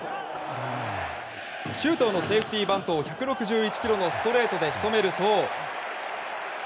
周東のセーフティーバントを１６１キロのストレートで仕留めると。